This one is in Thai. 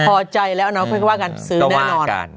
พอใจแล้วน้องคุยกับว่ากันซื้อแน่นอน